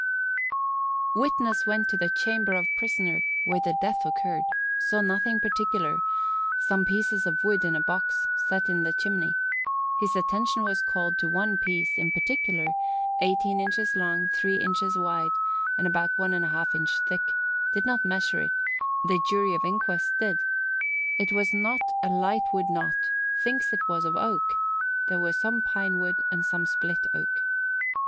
_" Witness went to the chamber of prisoner, where the death occurred; saw nothing particular; some pieces of wood in a box, set in the chimney; his attention was called to one piece, in particular, eighteen inches long, three indies wide, and about one and a half inch thick; did not measure it; the jury of inquest did; it was not a light wood knot; thinks it was of oak; there was some pine wood and some split oak.